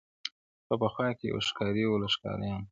• په پخوا کي یو ښکاري وو له ښکاریانو -